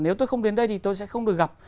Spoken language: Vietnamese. nếu tôi không đến đây thì tôi sẽ không được gặp